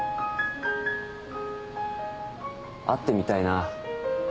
会ってみたいな。